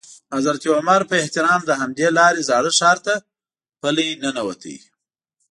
حضرت عمر په احترام له همدې لارې زاړه ښار ته پلی ننوت.